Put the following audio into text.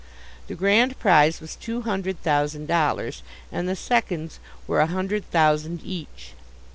The Grand Prize was two hundred thousand dollars, and the Seconds were a hundred thousand each.